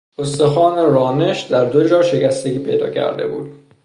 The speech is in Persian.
استخوان رانش در دو جا شکستگی پیدا کرده بود.